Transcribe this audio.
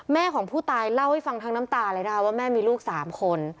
ของผู้ตายเล่าให้ฟังทั้งน้ำตาเลยนะคะว่าแม่มีลูก๓คน